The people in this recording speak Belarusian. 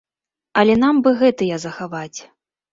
Але нам бы гэтыя захаваць.